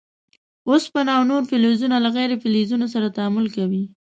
اوسپنه او نور فلزونه له غیر فلزونو سره تعامل کوي.